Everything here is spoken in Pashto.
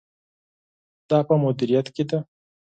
دا په مدیریت کې ده.